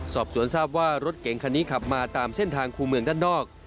สอบสวนทราบว่ารถเก๋งคันนี้ขับมาตามเส้นทางคู่เมืองด้านนอก